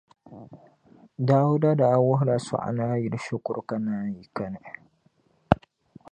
Dauda daa wuhila Sognaayili shikuru ka naanyi kani.